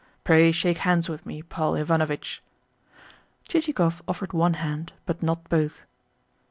"Pray shake hands with me, Paul Ivanovitch." Chichikov offered one hand, but not both.